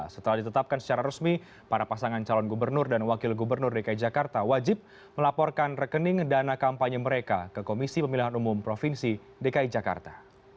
setelah ditetapkan secara resmi para pasangan calon gubernur dan wakil gubernur dki jakarta wajib melaporkan rekening dana kampanye mereka ke komisi pemilihan umum provinsi dki jakarta